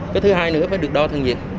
có thứ hai nữa phải được đo thần nhiệt